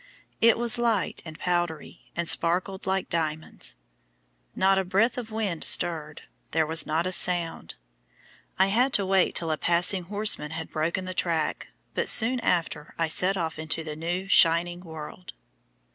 It was light and powdery, and sparkled like diamonds. Not a breath of wind stirred, there was not a sound. I had to wait till a passing horseman had broken the track, but soon after I set off into the new, shining world.